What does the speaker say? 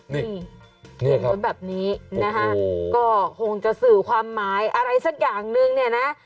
นี่เห็นแบบนี้นะฮะก็คงจะสื่อความหมายอะไรสักอย่างนึงเนี่ยนะ